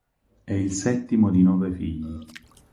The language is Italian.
È il settimo di nove figli.